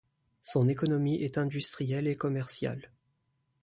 Son économie est industrielle et commerciale.